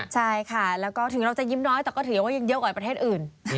ใช่ค่ะแล้วก็ถึงเราจะยิ้มน้อยแต่ก็ถือว่ายังเยอะกว่าประเทศอื่น